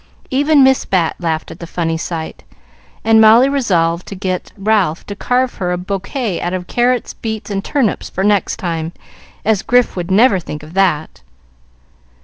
Even Miss Bat laughed at the funny sight, and Molly resolved to get Ralph to carve her a bouquet out of carrots, beets, and turnips for next time, as Grif would never think of that.